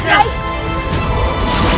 tidak ada yang bisa dihentikan